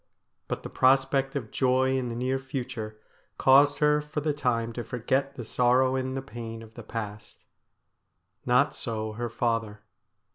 But the prospect of joy in the near future caused her for the time to forget the sorrow and the pain of the past. Not so her father.